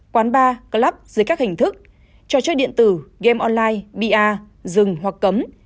quán bar club dưới các hình thức trò chơi điện tử game online bar dừng hoặc cấm